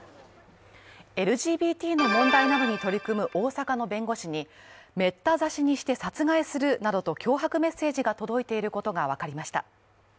ＬＧＢＴの問題などに取り組む大阪の弁護士に、メッタ刺しにして殺害するなどと脅迫メッセージが届いていることが分かりました。